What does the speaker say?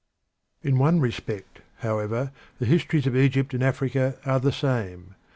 In one respect, however, the histories of Egypt and Africa are the same.